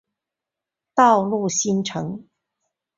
道路新城。